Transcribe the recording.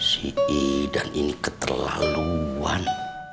si idan ini keterlaluan